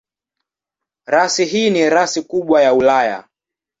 Rasi hii ni rasi kubwa ya Ulaya.